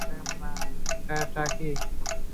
এটা এটা কি?